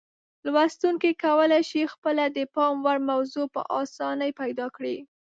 لوستونکي کولای شي خپله د پام وړ موضوع په اسانۍ پیدا کړي.